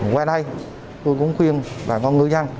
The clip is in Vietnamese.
qua đây tôi cũng khuyên bà con ngư dân